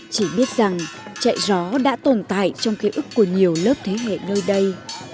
chỉ biết rằng chạy gió đã tồn tại trong ký ức của nhiều lớp thế hệ nơi đây